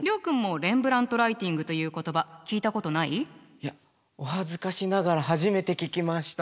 いやお恥ずかしながら初めて聞きました。